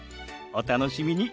お楽しみに。